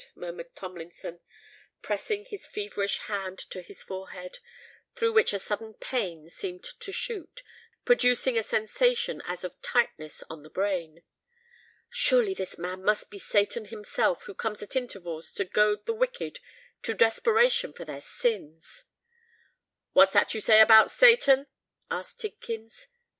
murmured Tomlinson, pressing his feverish hand to his forehead, through which a sudden pain seemed to shoot, producing a sensation as of tightness on the brain. "Surely this man must be Satan himself, who comes at intervals to goad the wicked to desperation for their sins!" "What's that you say about Satan?" asked Tidkins.